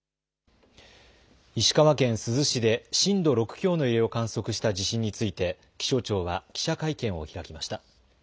石川県珠洲市で震度６強の揺れを観測した地震について気象庁は記者会見を開きました。